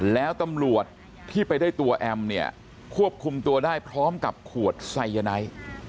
แล้วตำรวจที่ไปได้ตัวแอมเนี่ยควบคุมตัวได้พร้อมกับขวดไซยาไนท์